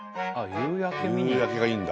夕焼けがいいんだ。